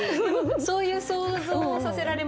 そういう想像をさせられますよね。